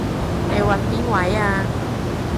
你搵邊位啊？